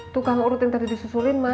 tukang urut yang tadi disusulin mana